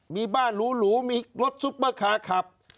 มีบ้านหรูมีรถซุปเปอร์คาร์ขับ